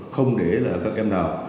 không để là các em nào